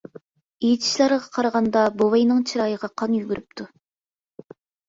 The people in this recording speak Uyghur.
ئېيتىشلىرىغا قارىغاندا بوۋاينىڭ چىرايىغا قان يۈگۈرۈپتۇ.